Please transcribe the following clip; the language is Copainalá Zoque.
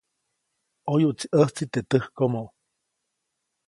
ʼOyuʼtsi ʼäjtsi teʼ täjkomo.